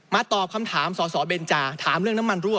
ตอบคำถามสอสอเบนจาถามเรื่องน้ำมันรั่